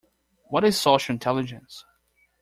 What is social intelligence?